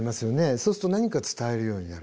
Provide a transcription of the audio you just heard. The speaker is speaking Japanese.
そうすると何か伝えるようになる。